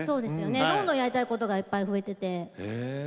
どんどんやりたいことがいっぱい増えていって。